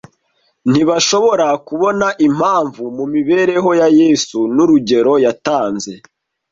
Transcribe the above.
ntibashobora kubona impamvu mu mibereho ya Yesu n’urugero yatanze